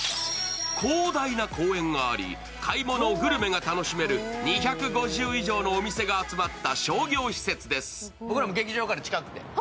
広大な公園があり、買い物、グルメが楽しめる２５０以上のお店が集まった商業施設です。